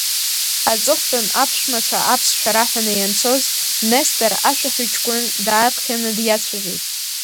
Аҵыхәтәан аԥшәмацәа аԥсшәа раҳәаны ианцоз, Нестор ашәаҳәаҩ ҷкәын дааԥхьаны диацәажәеит.